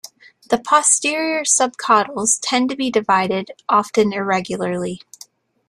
The posterior subcaudals tend to be divided, often irregularly.